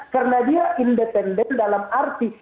karena dia independen dalam arti